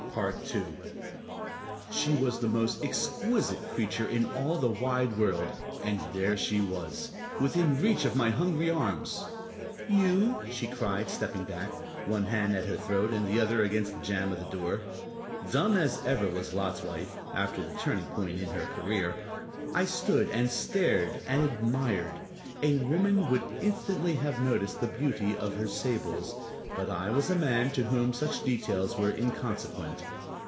II She was the most exquisite creature in all the wide world; and here she was, within reach of my hungry arms! "You?" she cried, stepping back, one hand at her throat and the other against the jamb of the door. Dumb as ever was Lot's wife (after the turning point in her career), I stood and stared and admired. A woman would instantly have noticed the beauty of her sables, but I was a man to whom such details were inconsequent.